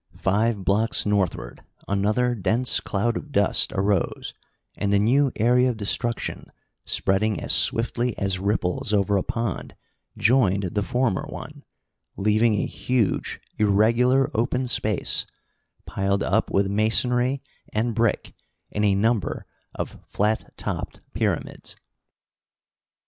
Five blocks northward another dense cloud of dust arose, and the new area of destruction, spreading as swiftly as ripples over a pond, joined the former one, leaving a huge, irregular open space, piled up with masonry and brick in a number of flat topped pyramids.